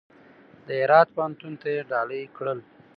د هرات پوهنتون ته یې ډالۍ کړل.